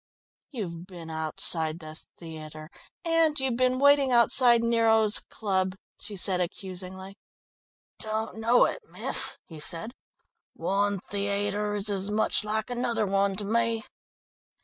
"You've been outside the theatre, and you've been waiting outside Niro's Club," she said accusingly. "Don't know it, miss," he said. "One theayter is as much like another one to me."